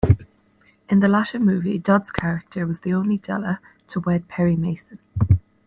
In the latter movie Dodd's character was the only Della to wed Perry Mason.